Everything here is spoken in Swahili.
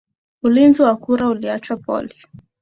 ulinzi wa kura uliachiwa poli